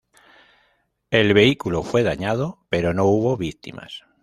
El vehículo fue dañado, pero no hubo víctimas.